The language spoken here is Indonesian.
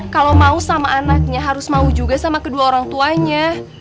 kalau mau sama anaknya harus mau juga sama kedua orang tuanya